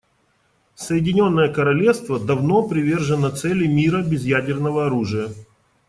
Соединенное Королевство давно привержено цели мира без ядерного оружия.